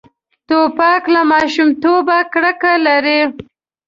توپک له ماشومتوبه کرکه لري.